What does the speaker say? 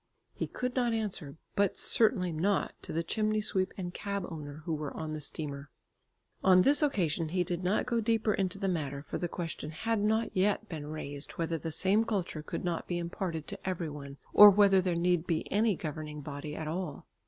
He could not answer, but certainly not to the chimney sweep and cab owner who were on the steamer. On this occasion he did not go deeper into the matter, for the question had not yet been raised whether the same culture could not be imparted to every one, or whether there need be any governing body at all.